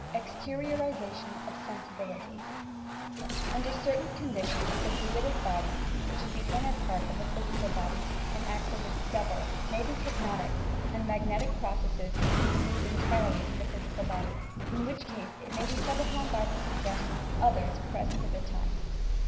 EXTERIORIZATION OP "SENSIBILITY" Under certain conditions the fluidlc body, which is the inner part of the physical body and acts as its "double," may by hypnotic and magnetic processes be removed entirely from the physical body, in which case it may be acted upon by suggestion from others present at the r THE HUMAN "FLUID" time.